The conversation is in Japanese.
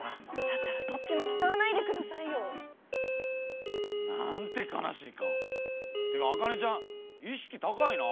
だったらどっちも使わないでくださいよ。なんて悲しい顔！っていうか茜ちゃん意識高いな。